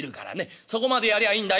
そこまでやりゃあいいんだよ」。